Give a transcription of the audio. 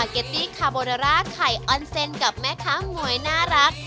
คาร์โบราลาไข่ออนเซนกับแม่ค้าหมวยน่ารัก